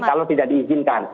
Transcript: kalau tidak diizinkan